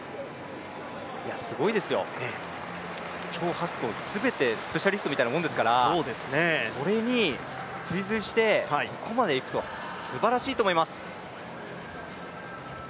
すごいですよ、張博恒、スペシャリストみたいなものですから、それに追随してここまでいくとは、すばらしいと思います。